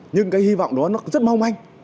nhưng cái hy vọng đó nó rất mong manh